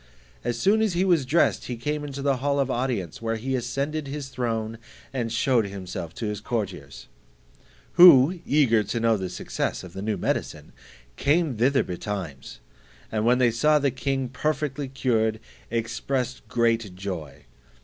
As soon as he was dressed, he came into the hall of audience, where he ascended his throne, and shewed himself to his courtiers: who, eager to know the success of the new medicine, came thither betimes, and when they saw the king perfectly cured, expressed great joy.